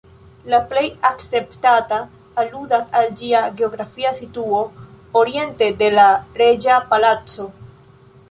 La plej akceptata aludas al ĝia geografia situo, oriente de la Reĝa Palaco.